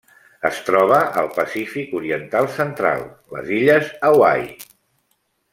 Es troba al Pacífic oriental central: les illes Hawaii.